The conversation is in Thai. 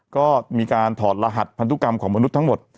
ก็มีการถอดรหัสพันธุกรรมของมนุษย์ทั้งหมด